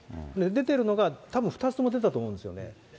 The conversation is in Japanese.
出てるのがたぶん２つとも出てたと思うんですよね。